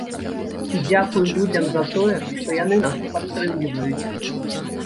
І дзякуй людзям за тое, што яны нас падтрымліваюць.